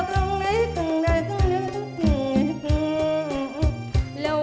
มาเดินถึงเขาเจอยังไหร่ก็จะไม่แขวนตัวอย่างไรนะ